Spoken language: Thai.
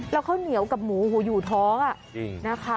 แล้วเข้าเหนียวกับหมูอยู่ท้อง